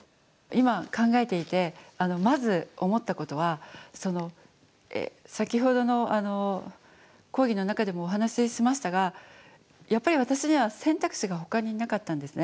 今考えていてまず思ったことは先ほどの講義の中でもお話ししましたがやっぱり私には選択肢がほかになかったんですね。